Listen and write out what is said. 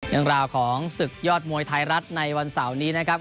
เรื่องราวของศึกยอดมวยไทยรัฐในวันเสาร์นี้นะครับ